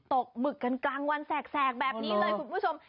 หมึกกันกลางวันแสกแบบนี้เลยคุณผู้ชม